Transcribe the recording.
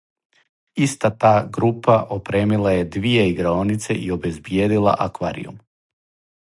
Иста та група опремила је двије играонице и обезбиједила акваријум.